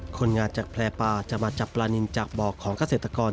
คนงานจากแพร่ปลาจะมาจับปลานินจากบ่อของเกษตรกร